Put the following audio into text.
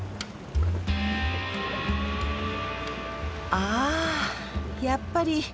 あやっぱり。